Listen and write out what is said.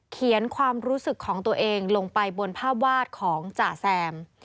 ความรู้สึกของตัวเองลงไปบนภาพวาดของจ่าแซม